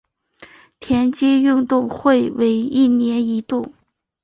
田径运动会为一年一度。